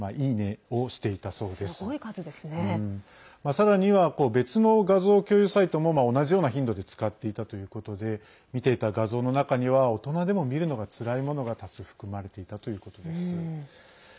さらには別の画像共有サイトも同じような頻度で使っていたということで見ていた画像の中には大人でも見るのがつらいものが多数含まれていたということです。